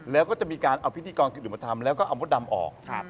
แล้วก็จะมีการเอาพิธีกรกิจหนุ่มธรรมแล้วก็เอามดดำออก